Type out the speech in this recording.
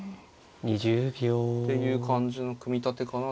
２０秒。っていう感じの組み立てかな。